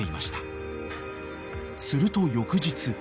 ［すると翌日］